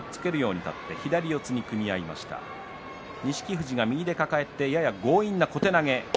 富士が右で抱えてやや強引な小手投げ